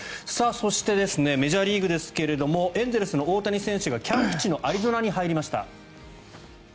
そしてメジャーリーグですがエンゼルスの大谷選手がキャンプ地のアリゾナに入りました。